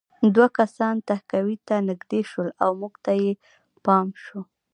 دوه کسان تهکوي ته نږدې شول او موږ ته یې پام شو